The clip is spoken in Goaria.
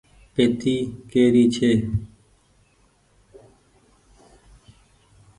پيتي ڪيري ڇي۔